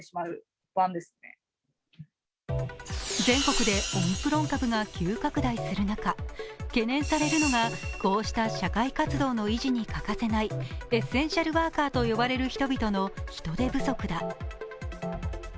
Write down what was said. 全国でオミクロン株が急拡大する中、懸念されるのがこうした社会活動の維持に欠かせないエッセンシャルワーカーと呼ばれる人々の人手不足だ。